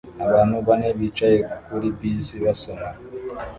Abantu bane bicaye kuri bisi basoma